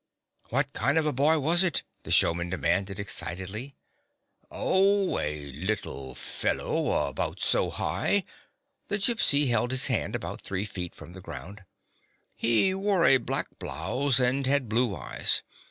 " What kind of a boy was it ?" the showman demanded, excitedly. 2 6 THE DOG MEETS A FRIEND "Oh, a little fellow, about so high" — the Gypsy held liis hand about three feet from the ground. " He wore a black blouse, and had blue eyes.